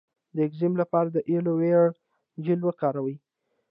د اکزیما لپاره د ایلوویرا جیل وکاروئ